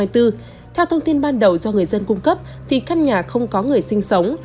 theo thông tin ban đầu do người dân cung cấp khách nhà không có người sinh sống